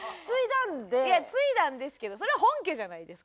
いや継いだんですけどそれは本家じゃないですか。